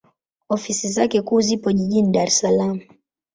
Ofisi zake kuu zipo Jijini Dar es Salaam.